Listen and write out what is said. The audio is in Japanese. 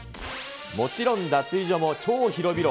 もちろん、脱衣所も超広々。